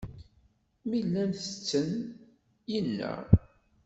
Mi llan tetten, inna.